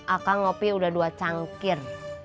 aka ngopi udah dua cangkir